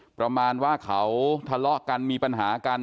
ประมาณว่าเขาทะเลาะกันมีปัญหากัน